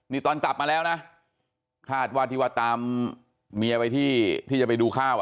นี่ตอนกลับมาแล้วนะคาดว่าที่ว่าตามเมียไปที่ที่จะไปดูข้าว